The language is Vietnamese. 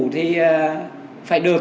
thì phải được